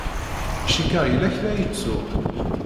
Cikkeɣ yella kra ay ttuɣ.